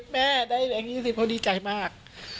แม่ได้แบบนี้สิเขาดีใจมาก